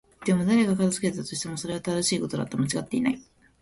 でも、誰が片付けたとしても、それは正しいことだった。間違っていない。